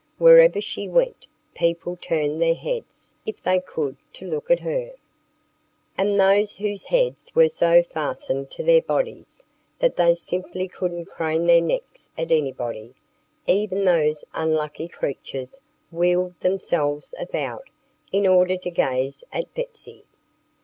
Wherever she went people turned their heads if they could to look at her. And those whose heads were so fastened to their bodies that they simply couldn't crane their necks at anybody even those unlucky creatures wheeled themselves about in order to gaze at Betsy.